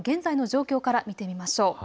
台風の現在の状況から見ていきましょう。